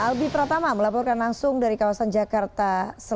albi pertama melaporkan langsung dari kawasan jakarta